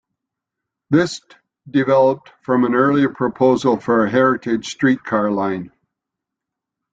This developed from an earlier proposal for a heritage streetcar line.